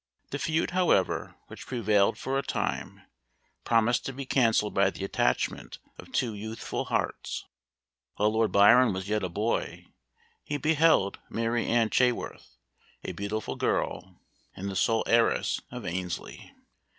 The feud, however, which prevailed for a time, promised to be cancelled by the attachment of two youthful hearts. While Lord Byron was yet a boy, he beheld Mary Ann Chaworth, a beautiful girl, and the sole heiress of Annesley.